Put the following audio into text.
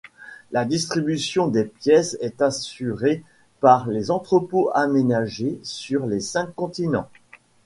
La distribution des pièces est assurée par les entrepôts aménagés sur les cinq continents.